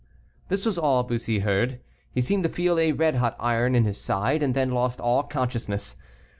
This was all Bussy heard, he seemed to feel a red hot iron in his side, and then lost all consciousness.